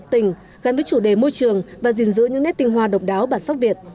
tình gắn với chủ đề môi trường và gìn giữ những nét tinh hoa độc đáo bản sóc việt